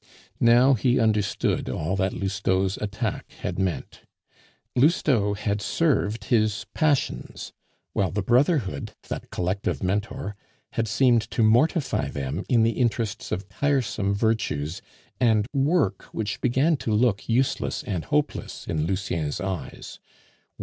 Now he understood all that Lousteau's attack had meant. Lousteau had served his passions; while the brotherhood, that collective mentor, had seemed to mortify them in the interests of tiresome virtues and work which began to look useless and hopeless in Lucien's eyes.